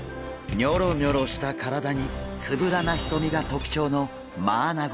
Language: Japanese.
ニョロニョロした体につぶらな瞳が特徴のマアナゴ。